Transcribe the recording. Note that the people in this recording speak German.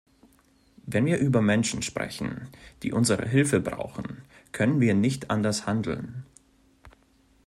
Wenn wir über Menschen sprechen, die unsere Hilfe brauchen, können wir nicht anders handeln.